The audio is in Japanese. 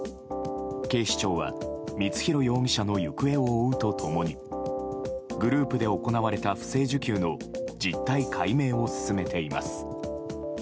警視庁は光弘容疑者の行方を追うと共にグループで行われた不正受給の実態解明を進めています。